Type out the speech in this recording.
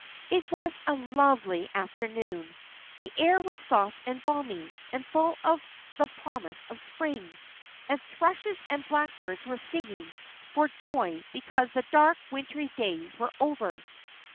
It was a lovely afternoon. The air was soft and balmy, and full of the promise of spring, and thrushes and blackbirds were singing for joy, because the dark, wintry days were over.